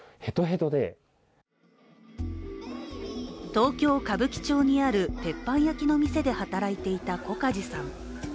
東京・歌舞伎町にある鉄板焼きの店で働いていた小梶さん。